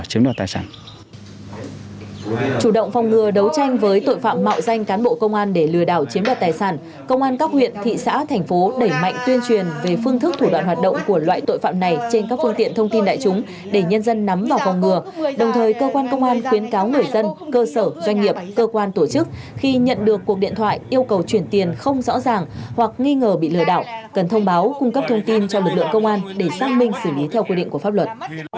công động phòng ngừa đấu tranh với tội phạm mạo danh cán bộ công an để lừa đảo chiếm đoạt tài sản công an các huyện thị xã thành phố đẩy mạnh tuyên truyền về phương thức thủ đoạn hoạt động của loại tội phạm này trên các phương tiện thông tin đại chúng để nhân dân nắm vào phòng ngừa đồng thời cơ quan công an khuyến cáo người dân cơ sở doanh nghiệp cơ quan tổ chức khi nhận được cuộc điện thoại yêu cầu chuyển tiền không rõ ràng hoặc nghi ngờ bị lừa đảo cần thông báo cung cấp thông tin cho lực lượng công an để xác minh xử lý theo quy định của pháp luật